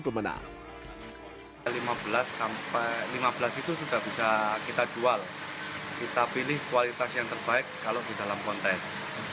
pemenang lima belas sampai lima belas itu sudah bisa kita jual kita pilih kualitas yang terbaik kalau di dalam kontes